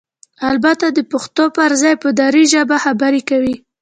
البته دپښتو پرځای په ډري ژبه خبرې کوي؟!